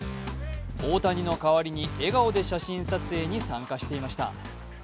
大谷の代わりに笑顔で写真撮影に参加していました。